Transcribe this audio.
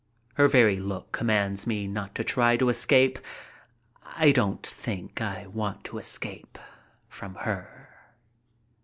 Her very look commands me not to try to escape. I don't think I want to escape from her.